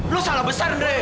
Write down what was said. lu salah besar andre